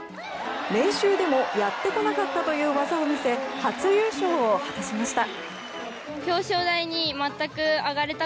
練習でもやってこなかったという技を見せ初優勝を果たしました。